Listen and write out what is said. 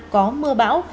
có mưa bão